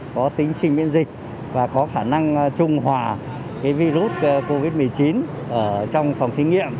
có tính sinh miễn dịch và có khả năng trung hòa virus covid một mươi chín ở trong phòng thí nghiệm